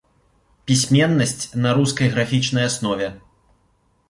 Пісьменнасць на рускай графічнай аснове.